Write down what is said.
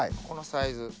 このサイズ。